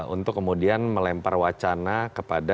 untuk kemudian melempar wacana kepada